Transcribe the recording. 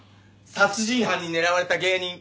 殺人犯に狙われた芸人。